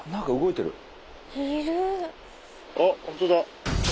あホントだ。